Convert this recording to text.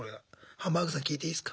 ハンバーグさん聞いていいですか？